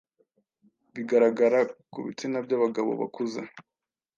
bigaragara ku bitsina by’abagabo bakuze